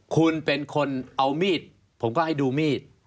คุณเป็นคนเอามีดผมก็ให้ดูมีด